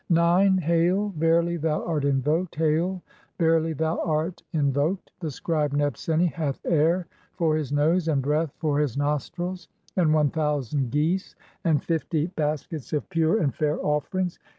IX. "Hail, verily thou art invoked ; hail, verily thou art in "voked. The scribe Nebseni hath air for his nose and breath "for his nostrils, and one thousand geese, and fifty baskets of "pure and fair offerings.